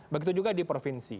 begitu juga di provinsi